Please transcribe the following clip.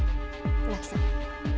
村木さん。